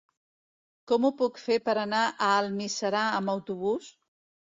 Com ho puc fer per anar a Almiserà amb autobús?